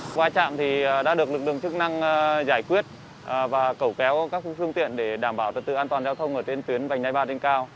qua trạm đã được lực lượng chức năng giải quyết và cẩu kéo các phương tiện để đảm bảo trật tự an toàn giao thông ở trên tuyến vành đai ba trên cao